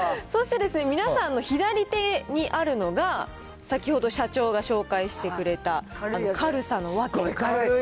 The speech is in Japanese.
そして、皆さんの左手にあるのが、先ほど社長が紹介してくれた、軽さの理由。